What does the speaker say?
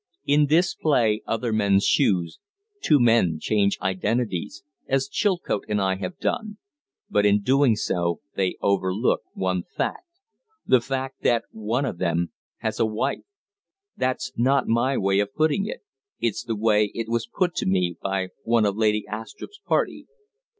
In this play, 'Other Men's Shoes,' two men change identities as Chilcote and I have done but in doing so they overlook one fact The fact that one of them has a wife! That's not my way of putting it; it's the way it was put to me by one of Lady Astrupp's party."